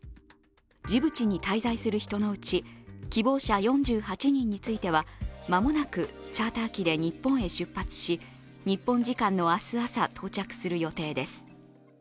ジブチに滞在する人のうち、希望者４８人については間もなくチャーター機で日本へ出発し日本時間の明日朝、到着する予定です。